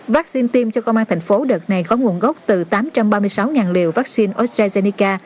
vaccine tiêm cho công an tp hcm đợt này có nguồn gốc từ tám trăm ba mươi sáu liều vaccine astrazeneca